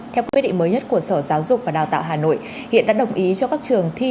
theo quyết định mới nhất của sở giáo dục và đào tạo hà nội hiện đã đồng ý cho các trường thi